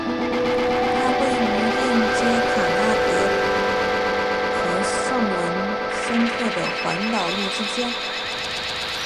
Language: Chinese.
它位于连接塔纳帕格和圣文森特的环岛路之间。